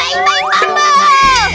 baik baik pam pam